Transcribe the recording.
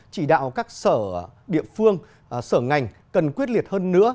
chỉ đạo các sở địa phương sở ngành cần quyết liệt hơn nữa